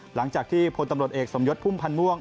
หลังจากที่พลตำรวจเอกสมยศพุ่มพันธ์ม่วง